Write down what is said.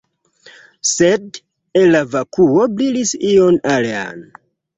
Sed, el la vakuo brilis ion alian.